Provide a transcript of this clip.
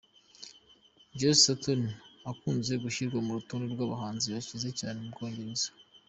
Joss Stone akunze gushyirwa ku rutonde rw'abahanzi bakize cyane mu Bwongereza.